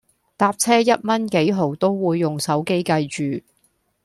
搭車一蚊幾毫都會用手機計住